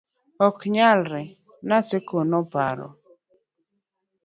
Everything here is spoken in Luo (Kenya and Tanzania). ok nyalre, Naseko noparo